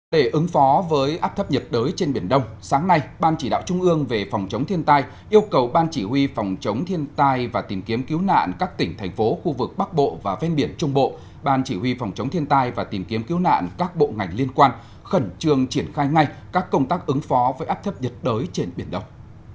để ứng phó với áp thấp nhiệt đới trên biển đông sáng nay ban chỉ đạo trung ương về phòng chống thiên tai yêu cầu ban chỉ huy phòng chống thiên tai và tìm kiếm cứu nạn các tỉnh thành phố khu vực bắc bộ và ven biển trung bộ ban chỉ huy phòng chống thiên tai và tìm kiếm cứu nạn các bộ ngành liên quan khẩn trương triển khai ngay các công tác ứng phó với áp thấp nhiệt đới trên biển đông